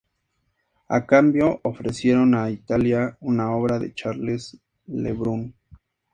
A cambio, ofrecieron a Italia una obra de Charles Le Brun.